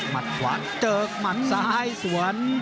มัดขวานเจิกมัดซ้ายสวรรค์